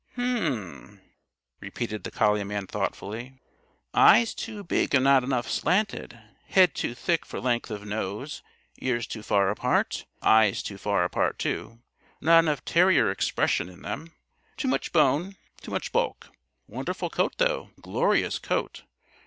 "H'm!" repeated the collie man thoughtfully. "Eyes too big and not enough slanted. Head too thick for length of nose. Ears too far apart. Eyes too far apart, too. Not enough 'terrier expression' in them. Too much bone, too much bulk. Wonderful coat, though glorious coat!